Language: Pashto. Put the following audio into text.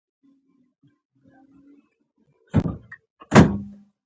د ورکشاپ په اوږدو کښې يو اوږد مېز ولاړ دى.